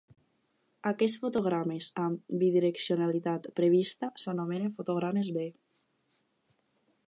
Aquests fotogrames amb bidireccionalitat prevista s'anomenen "fotogrames B".